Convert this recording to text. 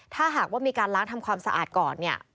ถ้าหากว่ามีการล้างทำความสะอาดก่อนเนี่ย